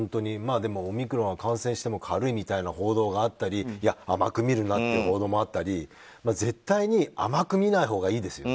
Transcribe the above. でもオミクロンは感染しても軽いみたいな報道があったり、いや甘く見るなという報道もあったり絶対に甘く見ないほうがいいですよね。